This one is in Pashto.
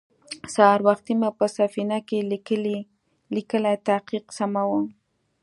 سهار وختې مې په سفينه کې ليکلی تحقيق سماوه.